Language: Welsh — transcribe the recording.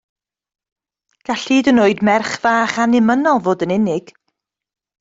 Gall hyd yn oed merch fach annymunol fod yn unig.